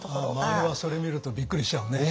周りはそれ見るとびっくりしちゃうね。